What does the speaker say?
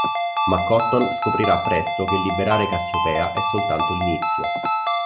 Ma Cotton scoprirà presto che liberare Cassiopea è soltanto l'inizio.